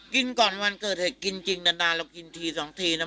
กินก่อนวันเกิดเหตุกินจริงนานเรากินทีสองทีนะ